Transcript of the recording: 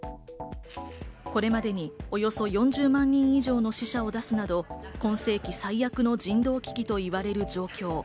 これまでにおよそ４０万人以上の死者を出すなど、今世紀最悪の人道危機と言われる状況。